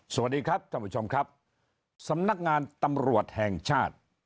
สวัสดีครับท่านผู้ชมครับสำนักงานตำรวจแห่งชาติ